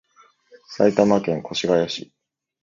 埼玉県川越市